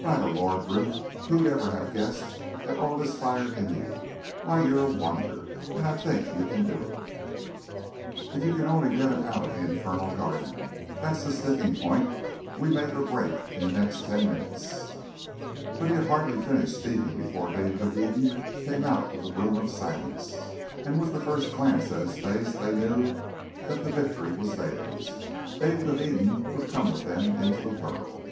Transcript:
"By the Lord, Ruth, who'd ever have guessed at all this fire in you? Why, you're a wonder. And I think you can do it. If you can only get him out of the infernal Garden. That's the sticking point! We make or break in the next ten minutes!" But he had hardly finished speaking before David of Eden came out of the Room of Silence, and with the first glance at his face they knew that the victory was theirs. David of Eden would come with them into the world!